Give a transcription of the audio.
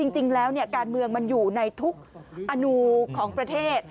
จริงแล้วการเมืองมันอยู่ในทุกอนุของประเทศ